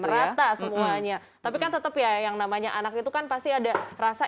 merata semuanya tapi kan tetap ya yang namanya anak itu kan pasti ada rasa